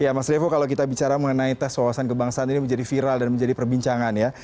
ya mas revo kalau kita bicara mengenai tes wawasan kebangsaan ini menjadi viral dan menjadi perbincangan ya